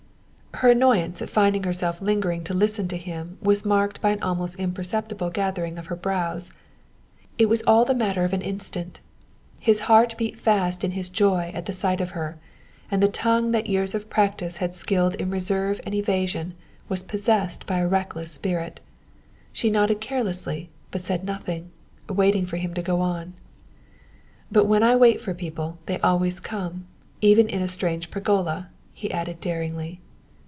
Her annoyance at finding herself lingering to listen to him was marked in an almost imperceptible gathering of her brows. It was all the matter of an instant. His heart beat fast in his joy at the sight of her, and the tongue that years of practice had skilled in reserve and evasion was possessed by a reckless spirit. She nodded carelessly, but said nothing, waiting for him to go on. "But when I wait for people they always come even in a strange pergola!" he added daringly.